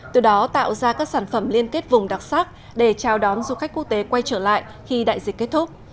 từ đó tạo ra các sản phẩm liên kết vùng đặc sắc để chào đón du khách quốc tế quay trở lại khi đại dịch kết thúc